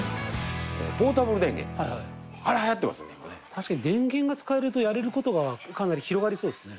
確かに電源が使えるとやれる事がかなり広がりそうですね。